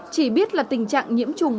chỉ biết là tình trạng nhiễm chủng